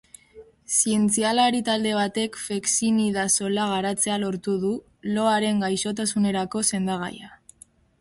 Zientzialari talde batek fexinidazola garatzea lortu du, loaren gaixotasunerako sendagaia.